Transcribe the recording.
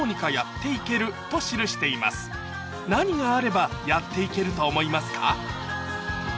何があればやって行けると思いますか？